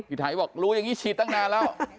ไทยบอกรู้อย่างนี้ฉีดตั้งนานแล้ว